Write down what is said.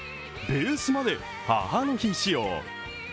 ベースまで母の日仕様。